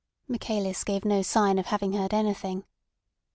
Michaelis gave no sign of having heard anything.